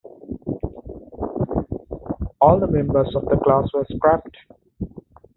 All members of the class were scrapped.